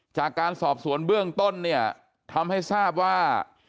จากการสอบสวนเบื้องต้นเนี่ยทำให้ทราบว่า